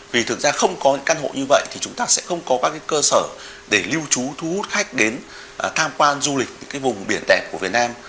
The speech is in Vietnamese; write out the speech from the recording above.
vì thực ra không có những căn hộ như vậy thì chúng ta sẽ không có các cơ sở để lưu trú thu hút khách đến tham quan du lịch những cái vùng biển đẹp của việt nam